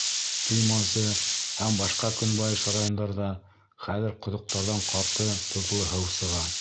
— Туймазы һәм башҡа көнбайыш райондарҙа хәҙер ҡоҙоҡтарҙан ҡаты, тоҙло һыу сыға.